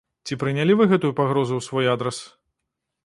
Ці прынялі вы гэтую пагрозу ў свой адрас.